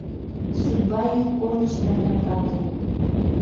Судьба ик корныш мӓмнӓм канден